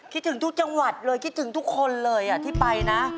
คิดถึงทุกจังหวัดเลยคิดถึงทุกคนเลยที่ไปนะ